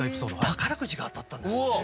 宝くじが当たったんです。